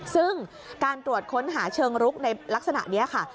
ซึ่งการตรวจค้นหาเชิงรุกในลักษณะนี้ค่ะ